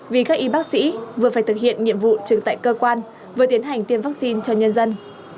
vì các y bác sĩ vừa phải thực hiện nhiệm vụ trực tại cơ quan vừa tiến hành tiêm vaccine cho nhân dân